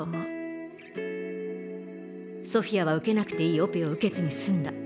ソフィアは受けなくていいオペを受けずに済んだ。